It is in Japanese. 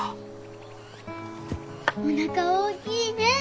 おなか大きいね！